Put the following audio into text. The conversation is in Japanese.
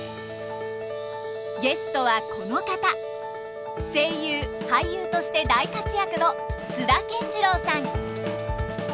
ゲストはこの方声優俳優として大活躍の津田健次郎さん。